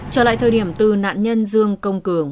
trở lại thời điểm từ nạn nhân dương công cường